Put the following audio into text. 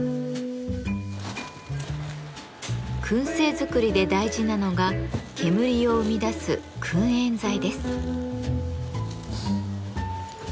燻製作りで大事なのが煙を生み出す「燻煙材」です。